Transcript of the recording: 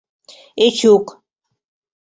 Эчук.